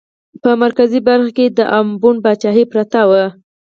په مرکزي برخه کې د امبون پاچاهي پرته وه.